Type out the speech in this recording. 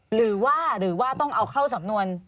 หรือว่าหรือว่าต้องเอาเข้าสำนวน